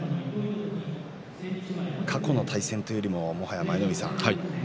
過去の対戦というよりも舞の海さん